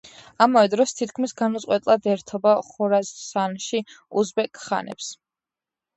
ამავე დროს თითქმის განუწყვეტლად ებრძოდა ხორასანში უზბეკ ხანებს.